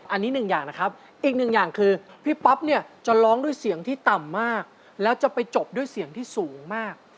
อันนี้หนึ่งอย่างนะครับอีกหนึ่งอย่างคือพี่ป๊อปเนี่ยจะร้องด้วยเสียงที่ต่ำมากแล้วจะไปจบด้วยเสียงที่สูงมาก